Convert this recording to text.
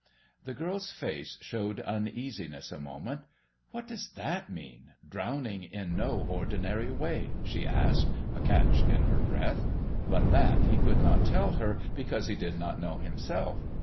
The girl's face showed uneasiness a moment. "What does that mean drowning in no ordinary way?" she asked, a catch in her breath. But that he could not tell her, because he did not know himself.